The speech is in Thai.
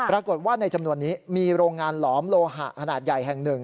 ปรากฏว่าในจำนวนนี้มีโรงงานหลอมโลหะขนาดใหญ่แห่งหนึ่ง